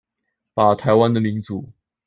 把臺灣的民主